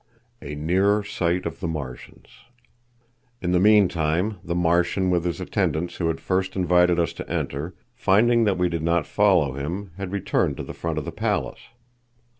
A Nearer Sight of the Martians. In the meantime the Martian with his attendants who had first invited us to enter, finding that we did not follow him, had returned to the front of the palace.